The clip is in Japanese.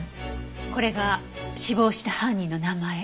これが死亡した犯人の名前。